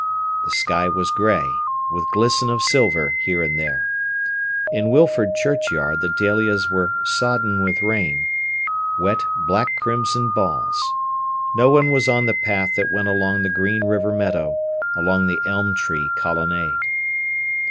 The sky was grey, with glisten of silver here and there. In Wilford churchyard the dahlias were sodden with rain—wet black crimson balls. No one was on the path that went along the green river meadow, along the elm tree colonnade.